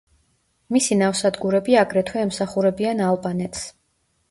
მისი ნავსადგურები აგრეთვე ემსახურებიან ალბანეთს.